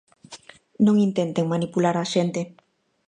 Non intenten manipular a xente.